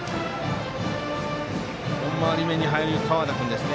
４回り目に入り河田君ですね。